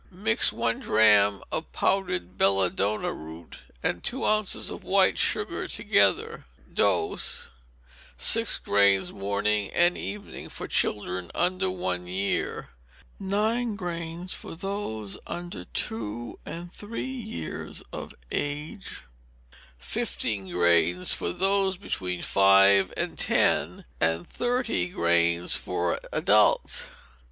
Mix one drachm of powdered belladonna root, and two ounces of white sugar, together. Dose, six grains morning and evening for children under one year; nine grains for those under two and three years of age; fifteen grains for those between five and ten; and thirty grains for adults.